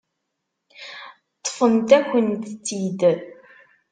Ṭṭfent-akent-t-id.